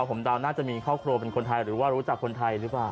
ผมเดาน่าจะมีครอบครัวเป็นคนไทยหรือว่ารู้จักคนไทยหรือเปล่า